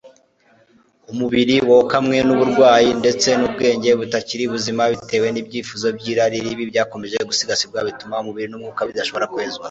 umubiri wokamwe n'uburwayi ndetse n'ubwenge butakiri buzima bitewe n'ibyifuzo by'irari ribi byakomeje gusigasirwa bituma umubiri n'umwuka bidashobora kwezwa